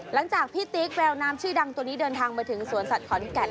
หลังจากพี่ติ๊กแววน้ำชื่อดังตัวนี้เดินทางมาถึงสวนสัตว์ขอนแก่น